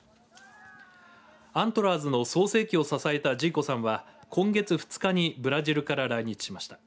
アントラーズの創生期を支えたジーコさんは今月２日にブラジルから来日しました。